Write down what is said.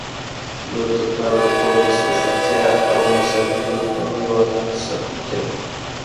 لور د پلار د کور د سپیڅلتیا او مذهبي دودونو یوازینۍ ساتونکي ده